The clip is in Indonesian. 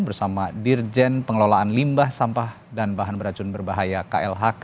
bersama dirjen pengelolaan limbah sampah dan bahan beracun berbahaya klhk